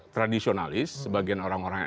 tradisionalis sebagian orang orang